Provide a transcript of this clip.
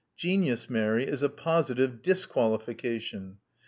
'* Genius, Mary, is a positive disqualification.